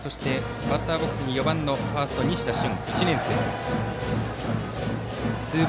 バッターボックスに４番ファースト西田瞬、１年生。